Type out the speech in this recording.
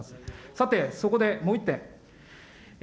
さて、そこでもう１点。